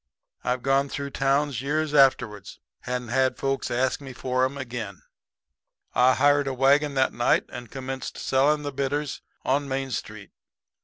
I've gone through towns years afterwards and had folks ask for 'em again. "I hired a wagon that night and commenced selling the bitters on Main Street.